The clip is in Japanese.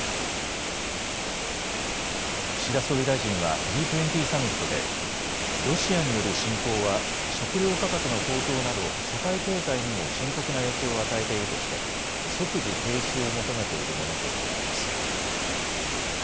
岸田総理大臣はＧ２０サミットでロシアによる侵攻は食料価格の高騰など世界経済にも深刻な影響を与えているとして即時停止を求めているものと見られます。